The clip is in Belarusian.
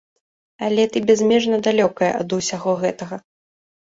Але ты бязмежна далёкая ад усяго гэтага.